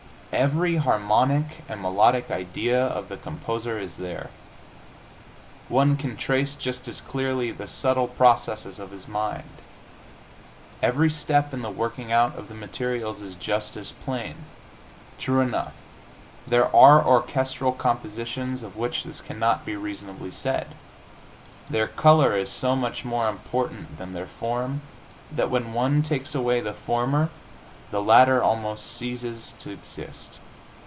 Every harmonic and melodic idea of the composer is there; one can trace just as clearly the subtle processes of his mind; every step in the working out of the materials is just as plain. True enough, there are orchestral compositions of which this cannot be reasonably said; their color is so much more important than their form that when one takes away the former the latter almost ceases to exist.